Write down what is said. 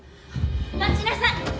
待ちなさい！